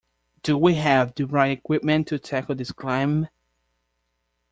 Do we have the right equipment to tackle this climb?